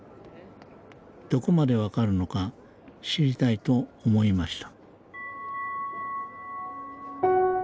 どこまで分かるのか知りたいと思いました